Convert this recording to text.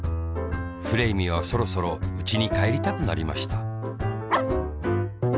フレーミーはそろそろうちにかえりたくなりましたワン！